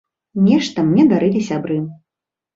Нешта мне дарылі сябры.